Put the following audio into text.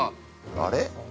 ◆あれ？